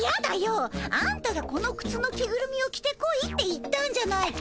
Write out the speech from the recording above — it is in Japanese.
あんたがこのくつの着ぐるみを着てこいって言ったんじゃないか。